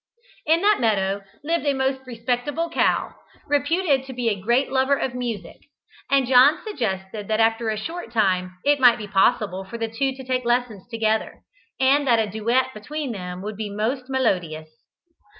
In that meadow lived a most respectable cow, reputed to be a great lover of music, and John suggested that after a short time it might be possible for the two to take lessons together, and that a duet between them would be most melodious.